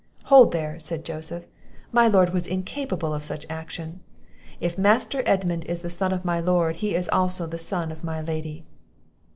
"Hold there!" said Joseph; "my lord was incapable of such an action; If Master Edmund is the son of my lord, he is also the son of my lady."